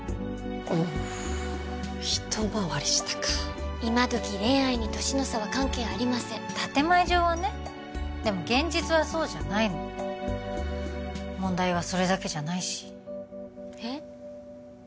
うひとまわり下か今どき恋愛に年の差は関係ありません建て前上はねでも現実はそうじゃないの問題はそれだけじゃないしえっ？